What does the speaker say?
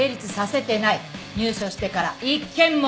入所してから一件も。